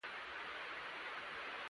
ملګری د ژوند همسفر دی